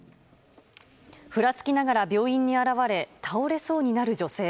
ふらつきながら病院に現れ倒れそうになる女性。